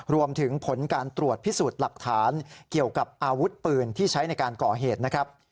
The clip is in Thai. รวมถึงผลการตรวจพิสูจน์หลักฐานเกี่ยวกับอาวุธปืนที่ใช้ในการก่อเหตุนะครับ